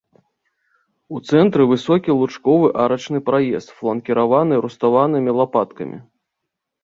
У цэнтры высокі лучковы арачны праезд, фланкіраваны руставанымі лапаткамі.